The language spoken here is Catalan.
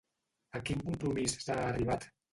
A quin compromís s'ha arribat?